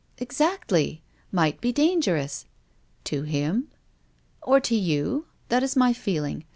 " Exactly !— might be dangerous." "To him?" " Or to you. That is my feeling.